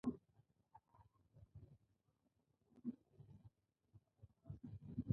هغه کارګران نیسي تر څو په ځمکو کې کار وکړي